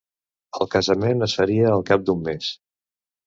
El casament es faria al cap d'un mes.